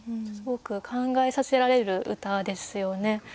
すごく考えさせられる歌ですよね。